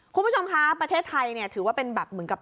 คุณผู้ชมคะประเทศไทยเนี่ยถือว่าเป็นแบบเหมือนกับ